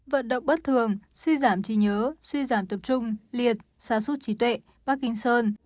vận động bất thường suy giảm trí nhớ suy giảm tập trung liệt xa suốt trí tuệ parkinson